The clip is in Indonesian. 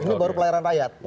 ini baru pelayaran rakyat